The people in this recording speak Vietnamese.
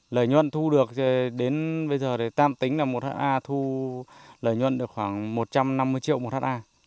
lợi nhuận thu được đến bây giờ thì tam tính là một ha thu lợi nhuận được khoảng một trăm năm mươi triệu một ha